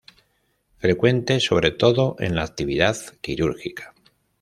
Frecuente sobre todo en la actividad quirúrgica.